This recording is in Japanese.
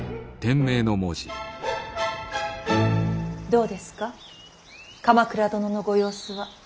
どうですか鎌倉殿のご様子は。